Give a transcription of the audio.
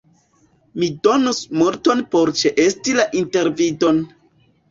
Mi donus multon por ĉeesti la intervidon.